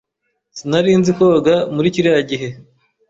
Sinari nzi koga muri kiriya gihe.